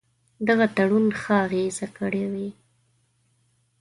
دغه تړون ښه اغېزه کړې وي.